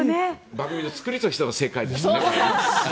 番組の作りとしても正解ですね。